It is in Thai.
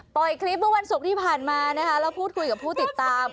ปล่อยคลิปเมื่อวันศุกร์ที่ผ่านมานะคะแล้วพูดคุยกับผู้ติดตาม